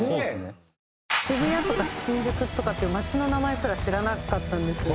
渋谷とか新宿とかっていう街の名前すら知らなかったんですよ。